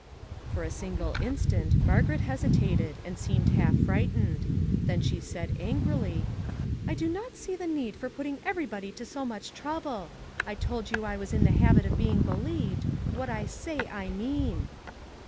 For a single instant Margaret hesitated and seemed half frightened. Then she said an grily: " I do not see the need for putting everybody to so much trouble. I told you I was in the habit of being believed ; what I say I mean."